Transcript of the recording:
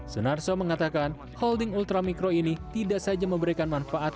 senarso mengatakan holding ultra mikro ini tidak saja memberikan manfaat